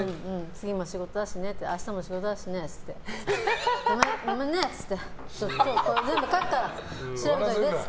次も仕事だし明日も仕事だしねごめんねって言って全部書くから調べといて！